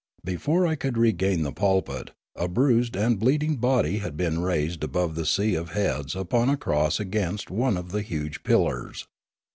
Before I could regain the pulpit, a bruised and bleeding body had been raised above the sea of heads upon a cross against one of the huge pillars.